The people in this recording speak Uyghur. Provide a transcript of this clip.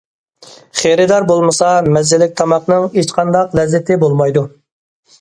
خېرىدار بولمىسا، مەززىلىك تاماقنىڭ ھېچقانداق لەززىتى بولمايدۇ.